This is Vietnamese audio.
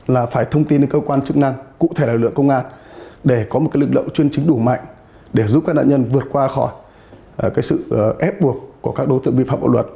là phải thông tin đến cơ quan chức năng cụ thể là lực lượng công an để có một lực lượng chuyên trính đủ mạnh để giúp các nạn nhân vượt qua khỏi sự ép buộc của các đối tượng bị phạm bạo luật